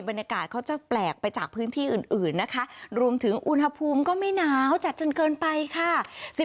บรรยากาศเขาจะแปลกไปจากพื้นที่อื่นนะคะรวมถึงอุณหภูมิก็ไม่หนาวจัดจนเกินไปค่ะ